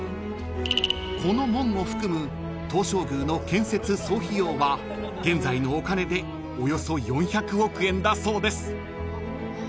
［この門を含む東照宮の建設総費用は現在のお金でおよそ４００億円だそうです］